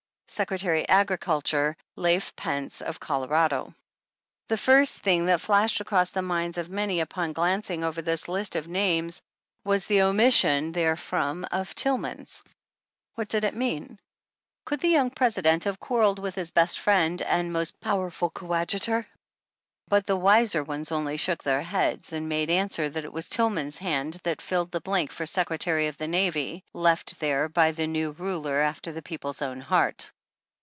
Secretary Agriculture — Lafe Pence, of Colorado. u The first thing that fiashed across the minds of many upon glancing over this list of names was the omission therefrom of Tillman's. What did it mean ? Could the young President have quarreled with his best friend, his most powerful coadjutor ? But the wiser ones only shook their heads and made answer that it was Tillman's hand that filled the blank for Secretary of the Navy, left there by the new ruler after the people's own heart.